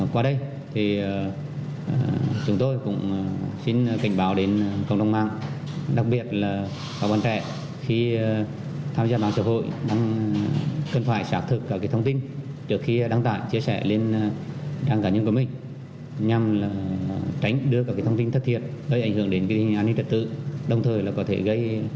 qua đây chúng tôi cũng xin cảnh báo đến cộng đồng